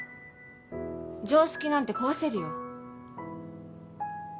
常識なんて壊せるよ。